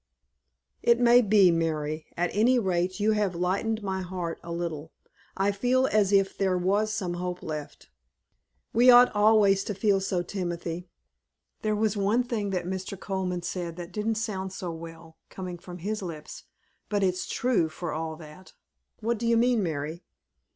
"It may be, Mary. At any rate you have lightened my heart a little. I feel as if there was some hope left." "We ought always to feel so, Timothy. There was one thing that Mr. Colman said that didn't sound so well, coming from his lips; but it's true, for all that." "What do you mean, Mary?"